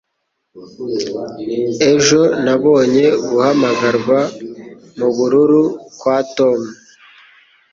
Ejo, nabonye guhamagarwa mubururu kwa Tom.